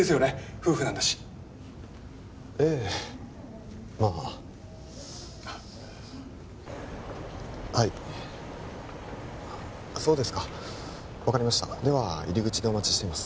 夫婦なんだしええまあはいそうですか分かりましたでは入り口でお待ちしています